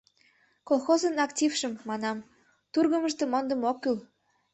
— Колхозын актившым, — манам, — тургымышто мондымо ок кӱл.